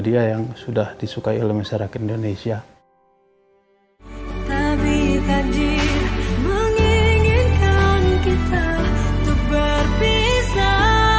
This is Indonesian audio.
dia yang sudah disukai oleh masyarakat indonesia tapi tadi menginginkan kita berpisah